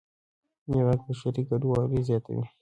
نیواک بشري کډوالۍ زیاتوي.